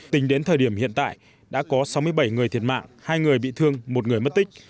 tính đến thời điểm hiện tại đã có sáu mươi bảy người thiệt mạng hai người bị thương một người mất tích